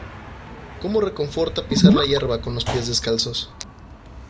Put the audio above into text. Como reconforta pisar la hierba con los pies descalzos